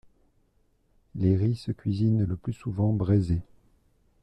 Les ris se cuisinent le plus souvent braisés.